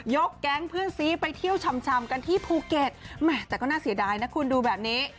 แก๊งเพื่อนซีไปเที่ยวชำกันที่ภูเก็ตแหมแต่ก็น่าเสียดายนะคุณดูแบบนี้